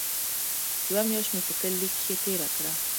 يوه مياشت مې په کلي کښې تېره کړه.